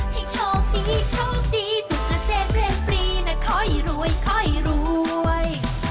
ให้ช่องดีช่องดีสุขเศษเพลงปรีนะคอยรวยคอยรวย